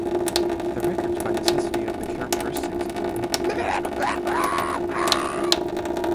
The records by necessity have the characteristics of the individual archiver.